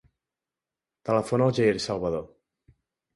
Telefona al Jair Salvador.